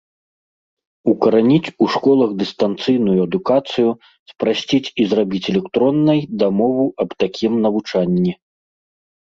Укараніць у школах дыстанцыйную адукацыю, спрасціць і зрабіць электроннай дамову аб такім навучанні.